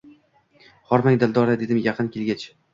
Hormang, Dildora, – dedim yaqin kelgach.